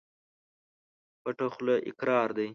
پټه خوله اقرار دى.